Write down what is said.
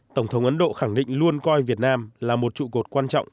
tổng thống ấn độ khẳng định luôn coi việt nam là một trụ cột quan trọng